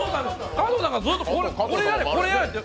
加藤さんがずーっとこれやれ、これやれって！